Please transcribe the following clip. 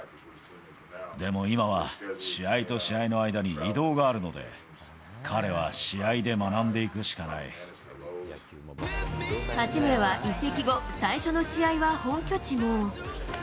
でも今は、試合と試合の間に移動があるので、八村は移籍後、最初の試合は本拠地も。